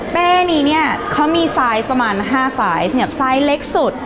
เป๊ะนี้เนี้ยเขามีไซส์ประมาณห้าไซส์บอกว่าไซส์เล็กสุด